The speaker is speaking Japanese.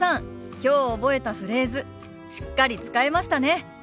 きょう覚えたフレーズしっかり使えましたね。